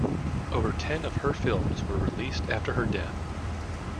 Over ten of her films were released after her death.